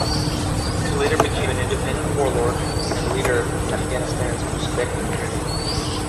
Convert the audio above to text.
He later became an independent warlord and leader of Afghanistan's Uzbek community.